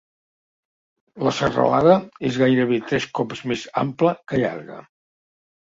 La serralada és gairebé tres cops més ampla que llarga.